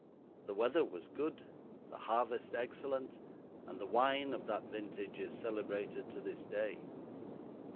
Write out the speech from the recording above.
The weather was good, the harvest excellent, and the wine of that vintage is celebrated to this day.